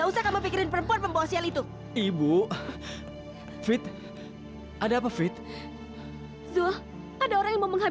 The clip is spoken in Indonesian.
sampai jumpa di video selanjutnya